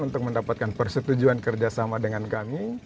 untuk mendapatkan persetujuan kerjasama dengan kami